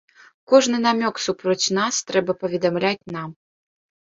Кожны намёк супроць нас трэба паведамляць нам.